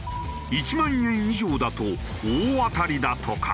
１万円以上だと大当たりだとか。